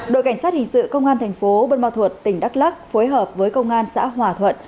đội cảnh sát hình sự công an thành phố bân ma thuột tỉnh đắk lắc phối hợp với công an xã hòa thuận